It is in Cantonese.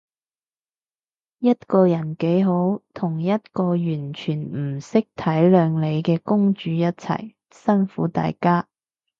一個人幾好，同一個完全唔識體諒你嘅公主一齊，辛苦大家